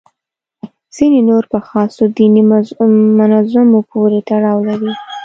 ځینې نور په خاصو دیني منظومو پورې تړاو لري.